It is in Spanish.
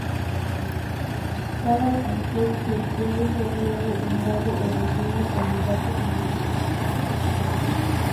Cada panqueque puede ser luego untado o rellenado con diversos ingredientes dulces o salados.